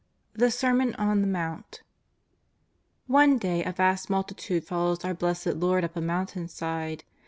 THE SERMON ON THE MOUNT. One day a vast multitude follows our Blessed Lord up a mountain side.